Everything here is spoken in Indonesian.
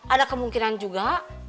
ada kemungkinan juga